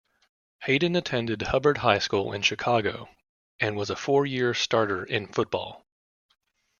Hayden attended Hubbard High School in Chicago, and was a four-year starter in football.